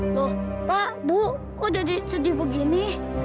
loh pak bu kok jadi sedih begini